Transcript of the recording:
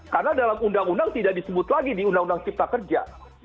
karena dalam undang undang tidak disebut lagi di undang undang cipta kerja